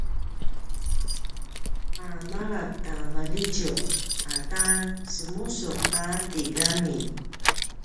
a malap ta valjitjuq ata semusuq ta tigami